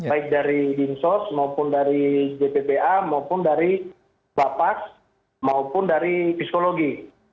baik dari dinsos maupun dari jppa maupun dari bapak maupun dari psikologi